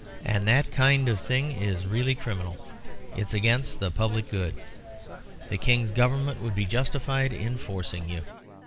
And that kind of thing is really criminal; it's against the public good. The King's Government would be justified in forcing you."